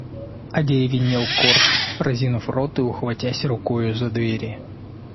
Одеревенел Корж, разинув рот и ухватясь рукою за двери.